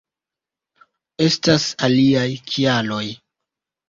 Estas aliaj kialoj.